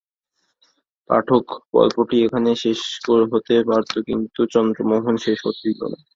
পাঠক, গল্পটি এখানেই শেষ হতে পারত কিন্তু চন্দ্রমোহন শেষ হতে দিল না।